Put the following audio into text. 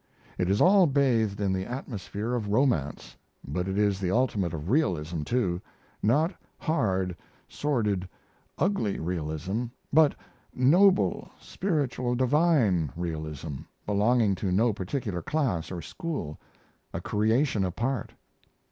It is all bathed in the atmosphere of romance, but it is the ultimate of realism, too; not hard, sordid, ugly realism, but noble, spiritual, divine realism, belonging to no particular class or school a creation apart.